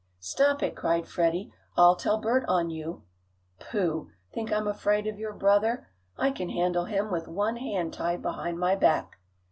"Stop it!" cried Freddie. "I'll tell Bert on you." "Pooh! Think I'm afraid of your brother. I can handle him with one hand tied behind my back."